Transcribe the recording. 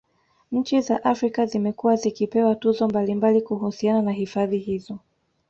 Nchi za Afrika Zimekuwa zikipewa tuzo mbalimbali kuhusiana na hifadhi hizo